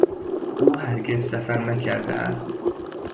او هرگز سفر نکرده است